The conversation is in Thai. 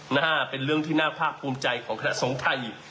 หน้าเป็นเรื่องที่น่าภาคภูมิใจของคณะสงฆ์ไทย